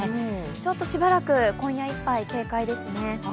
ちょっとしばらく今夜いっぱい警戒ですね。